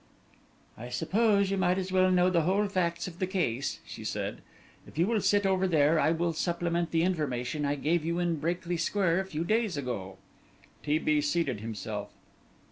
"I suppose you might as well know the whole facts of the case," she said; "if you will sit over there, I will supplement the information I gave you in Brakely Square a few days ago." T. B. seated himself.